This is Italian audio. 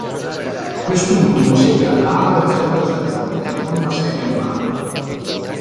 Quest'ultimo segue la trama della seconda stagione dell'omonima serie animata.